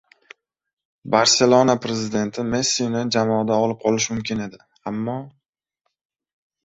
"Barselona" prezidenti Messini jamoada olib qolishi mumkin edi, ammo...